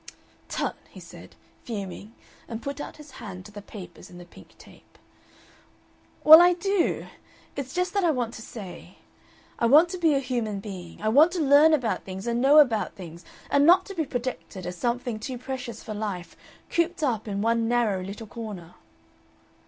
"Tut!" he said, fuming, and put out his hand to the papers in the pink tape. "Well, I do. It's just that I want to say. I want to be a human being; I want to learn about things and know about things, and not to be protected as something too precious for life, cooped up in one narrow little corner."